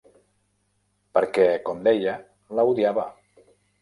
Perquè, com deia, la odiava.